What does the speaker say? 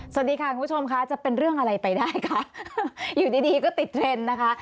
สวัสดีค่ะคุณผู้ชมค่ะจะเป็นเรื่องอะไรไปได้คะอยู่ดีดีก็ติดเทรนด์นะคะ